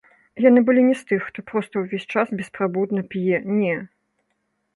Яны былі не з тых, хто проста ўвесь час беспрабудна п'е, не.